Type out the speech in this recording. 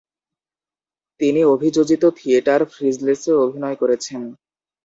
তিনি অভিযোজিত থিয়েটার ফ্রিজলেসেও অভিনয় করেছেন।